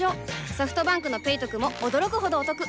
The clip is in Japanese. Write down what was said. ソフトバンクの「ペイトク」も驚くほどおトク